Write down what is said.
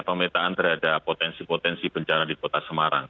pemetaan terhadap potensi potensi bencana di kota semarang